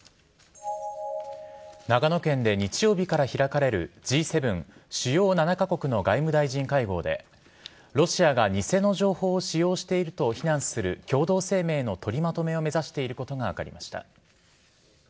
長野県で日曜日から開かれるＧ７＝主要７カ国の外務大臣会合でロシアが偽の情報を使用していると非難する共同声明の取りまとめを目指していることが分かりました。